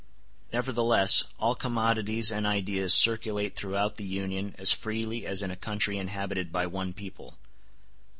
Nevertheless, all commodities and ideas circulate throughout the Union as freely as in a country inhabited by one people.